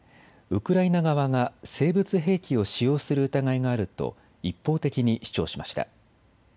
ウクライナ側が生物兵器を使用する疑いがあると一方的に主張しました。